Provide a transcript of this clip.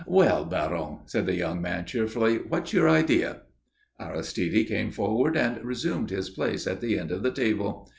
"Well, Baron?" said the young man, cheerfully. "What's your idea?" Aristide came forward and resumed his place at the end of the table.